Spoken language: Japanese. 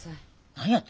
何やて？